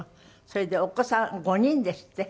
それでお子さん５人ですって？